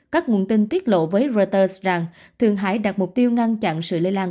các nguồn tin tiết lộ với reuters rằng thường hải đặt mục tiêu ngăn chặn sự lây lan